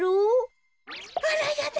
あらやだ。